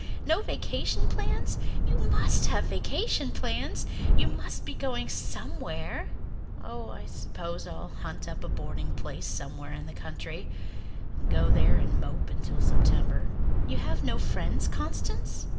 No vacation plans! You must have vacation plans. You must be going somewhere." "Oh, I suppose I'll hunt up a boarding place somewhere in the country, and go there and mope until September." "Have you no friends, Constance?"